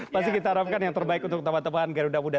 pasti kita harapkan yang terbaik untuk teman teman garuda muda